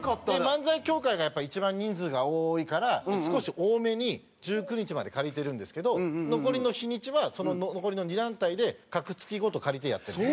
漫才協会がやっぱ一番人数が多いから少し多めに１９日まで借りてるんですけど残りの日にちはその残りの２団体で隔月ごと借りてやってるんです。